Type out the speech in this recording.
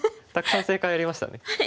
たくさん正解ありましたね。